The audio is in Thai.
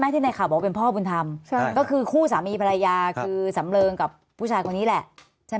ไหมในข้าวเห็นพ่อบุณฑังก็คือคู่สามีศพลายท่านสำเนินกับผู้ชายตัวนี้แหละใช่